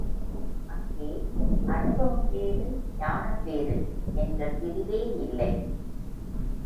அங்கே அநுபவம் வேறு, ஞானம் வேறு என்ற பிரிவே இல்லை.